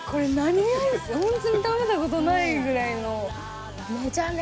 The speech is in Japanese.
ホントに食べたことないぐらいの。